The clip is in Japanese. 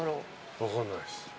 分かんないっす。